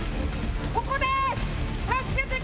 ここです！